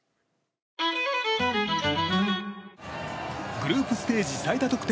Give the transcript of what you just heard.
グループステージ最多得点